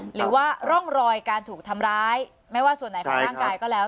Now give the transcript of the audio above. หรือว่าร่องรอยการถูกทำร้ายไม่ว่าส่วนไหนของร่างกายก็แล้ว